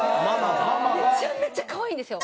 めちゃめちゃ可愛いんですよ。